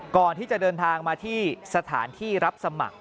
ก่อนที่จะเดินทางมาที่สถานที่รับสมัคร